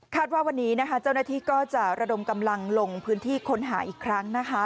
ว่าวันนี้นะคะเจ้าหน้าที่ก็จะระดมกำลังลงพื้นที่ค้นหาอีกครั้งนะคะ